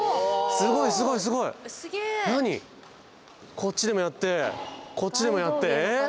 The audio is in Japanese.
こっちでもやってこっちでもやってええ？